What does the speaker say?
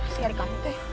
siar kamu teh